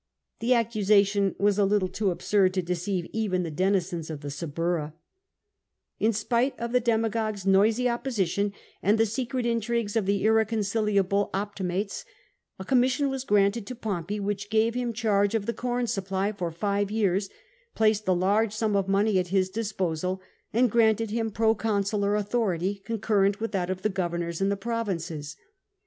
The accusation was a little too absurd to deceive even the denizens of the Suburra, In spite of the dema 270 POMPEY gogue's noisy opposition, and the secret intrigues of the irreconcilable Optimates, a commission was granted to Pompey, which gave him charge of the corn supply for five years, placed a large sum of money at his disposal, and granted him proconsular authority, concurrent with that of the governors, in the provinces.